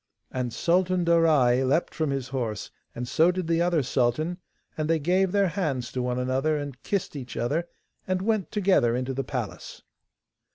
And Sultan Darai leapt from his horse, and so did the other sultan, and they gave their hands to one another and kissed each other, and went together into the palace.